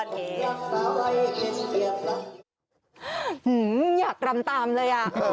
หื้มอยากตามเลยอ่ะ